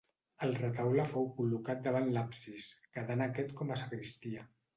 El retaule fou col·locat davant l'absis, quedant aquest com a sagristia.